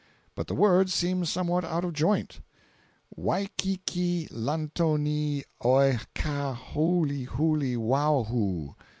But the words seem somewhat out of joint: "Waikiki lantoni oe Kaa hooly hooly wawhoo."